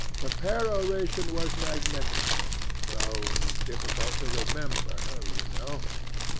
The peroration was magnificent, though difficult to remember, you know.